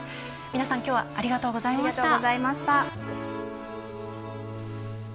皆さん、きょうはありがとうございました。